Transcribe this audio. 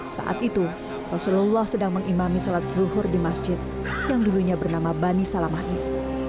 saat itu rasulullah sedang mengimami sholat zuhur di masjid yang dulunya bernama bani salamain